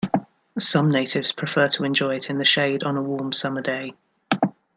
Some natives prefer to enjoy it in the shade on a warm summer day.